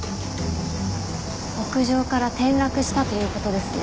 屋上から転落したという事ですね。